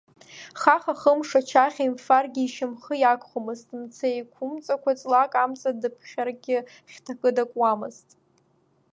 Хаха-хымш ачаӷьа имфаргьы, ишьамхы иагхомызт, мца еиқәмҵакәа ҵлак амҵа дыԥхьаргьы хьҭакы дакуамызт.